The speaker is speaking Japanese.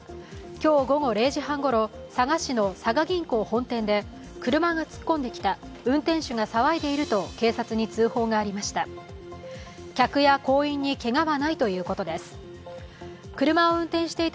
今日午後０時半ごろ、佐賀市の佐賀銀行本店で車が突っ込んできた、運転手が騒いでいると警察に通報がありました。